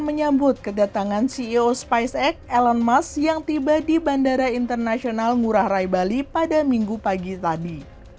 menyambut kedatangan ceo spacex elon musk yang tiba di bandara internasional ngurah rai bali pada minggu pagi tadi